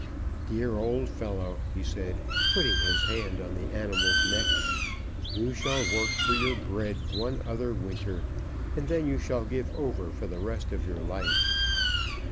"Dear old fellow," he said, putting his hand on the animal's neck, "you shall work for your bread one other winter, and then you shall give over for the rest of your life."